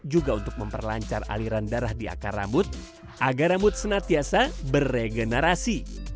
juga untuk memperlancar aliran darah di akar rambut agar rambut senantiasa berregenerasi